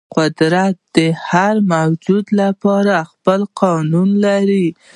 قدرت د هر موجود لپاره خپل قانون لري.